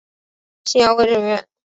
兴亚会成员。